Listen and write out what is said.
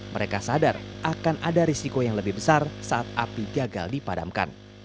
mereka sadar akan ada risiko yang lebih besar saat api gagal dipadamkan